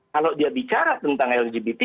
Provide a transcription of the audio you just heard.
kalau dia bicara tentang lgbt